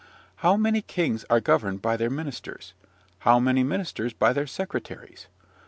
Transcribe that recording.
How many kings are governed by their ministers how many ministers by their secretaries?